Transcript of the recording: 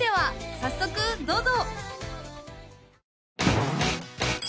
早速どうぞ！